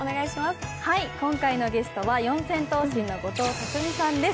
今回のゲストは四千頭身の後藤拓実さんです。